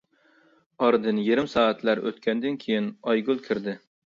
ئارىدىن يېرىم سائەتلەر ئۆتكەندىن كىيىن ئايگۈل كىردى.